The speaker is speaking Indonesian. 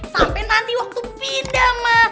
sampe nanti waktu pindah ma